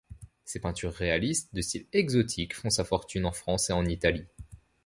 Ses peintures réalistes de style exotique font sa fortune en France et en Italie.